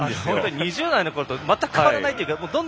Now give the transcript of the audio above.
２０代のころと全く変わらないというか。